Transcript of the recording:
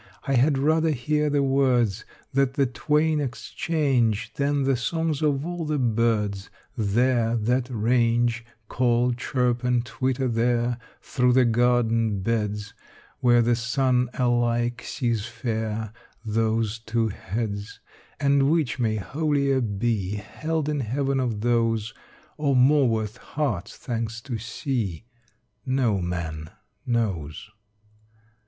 I had rather hear the words That the twain exchange Than the songs of all the birds There that range, Call, chirp, and twitter there Through the garden beds Where the sun alike sees fair Those two heads, And which may holier be Held in heaven of those Or more worth heart's thanks to see No man knows.